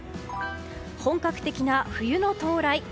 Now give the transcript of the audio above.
本格的な冬の到来。